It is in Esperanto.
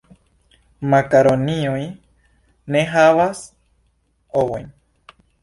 Makaronioj ne enhavas ovojn.